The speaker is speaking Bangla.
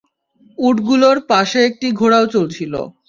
উটগুলোর পাশে একটি ঘোড়াও চলছিল।